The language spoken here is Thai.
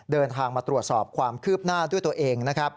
เดินทางมาตรวจสอบความคืบหน้าด้วยตัวเองนะครับ